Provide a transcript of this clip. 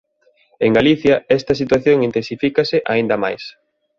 En Galicia, esta situación intensifícase aínda máis: